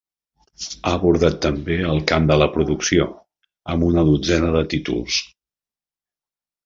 Ha abordat també el camp de la producció, amb una dotzena de títols.